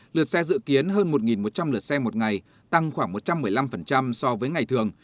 lượt xe dự kiến hơn một một trăm linh lượt xe một ngày tăng khoảng một trăm một mươi năm so với ngày thường